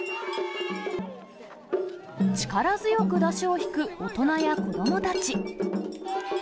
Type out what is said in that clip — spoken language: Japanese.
力強くだしをひく大人や子どもたち。